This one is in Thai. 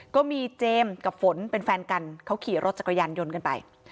ก็มีเจมส์กับฝนเป็นแฟนกันเขาขี่รถจักรยานยนต์กันไป